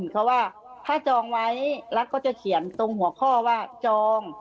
เพราะว่าถ้าจองไว้รัฐก็จะเขียนตรงหัวข้อว่าจอง